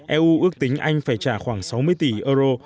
eu ước tính anh phải trả khoảng sáu mươi tỷ euro